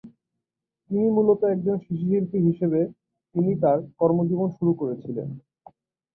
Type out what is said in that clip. তিনি মূলত একজন শিশুশিল্পী হিসেবে তিনি তার কর্মজীবন শুরু করেছিলেন।